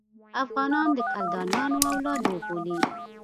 افغانان د کلدانیانو اولاد وبولي.